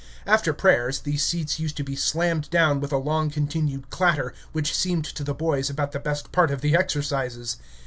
After prayers these seats used to be slammed down with a long continued clatter, which seemed to the boys about the best part of the exercises.